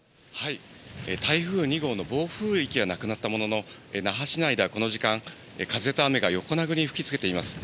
台風２号の暴風域はなくなったものの、那覇市内ではこの時間、風と雨が横殴りに吹きつけています。